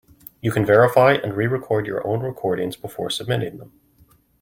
You can verify and re-record your own recordings before submitting them.